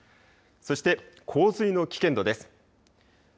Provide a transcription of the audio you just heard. そして洪水の危険度です。